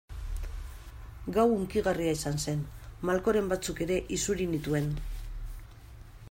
Gau hunkigarria izan zen, malkoren batzuk ere isuri nituen.